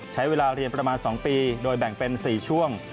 ใช้เวลาเรียนประมาณ๒ปีโดยแบ่งเป็น๔ช่วง